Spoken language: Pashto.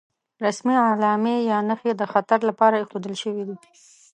رسمي علامې یا نښې د خطر لپاره ايښودل شوې دي.